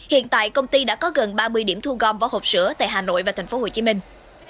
hiện tại công ty đã có gần ba mươi điểm thu gom vỏ hộp sữa tại hà nội và thành phố hồ chí minh